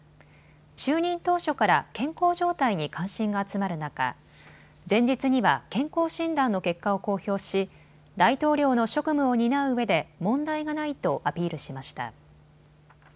就任当初から健康状態に関心が集まる中、前日には健康診断の結果を公表し、大統領の職務を担ううえで問題がないとアピールしました。